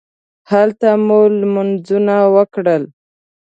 هلته مو لمونځونه وکړل.